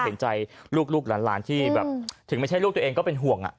เห็นใจลูกหลานที่แบบถึงไม่ใช่ลูกตัวเองก็เป็นห่วง